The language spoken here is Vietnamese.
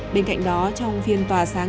bên cạnh đó trong phiên tòa sáng